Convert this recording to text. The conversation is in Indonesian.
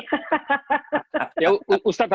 supaya kita tidak mengkuasai juga